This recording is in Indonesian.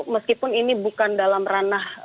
meskipun ini bukan dalam ranah